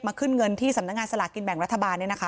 มาขึ้นเงินที่สำนักงานสลากินแบ่งรัฐบาลเนี่ยนะคะ